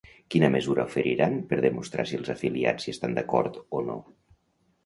Quina mesura oferiran per demostrar si els afiliats hi estan d'acord o no?